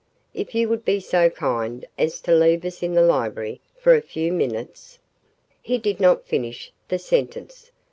If you would be so kind as to leave us in the library for a few minutes " He did not finish the sentence.